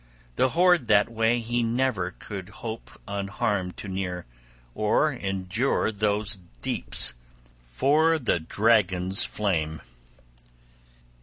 The hoard that way he never could hope unharmed to near, or endure those deeps, {33d} for the dragon's flame.